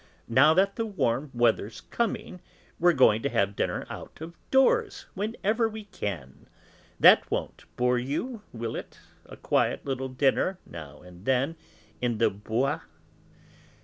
Now that the warm weather's coming, we're going to have dinner out of doors whenever we can. That won't bore you, will it, a quiet little dinner, now and then, in the Bois?